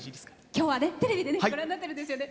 今日はテレビでご覧になってるんですよね。